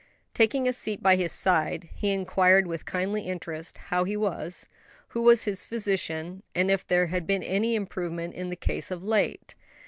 Taking a seat by his side, he inquired with kindly interest how he was, who was his physician, and if there had been any improvement in the case of late.